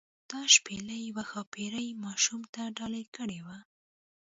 دا شپیلۍ یوې ښاپیرۍ ماشوم ته ډالۍ کړې وه.